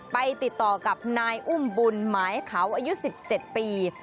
ไปติดต่อกับนายอุ้มบุญหมายเขาอายุ๑๗ปี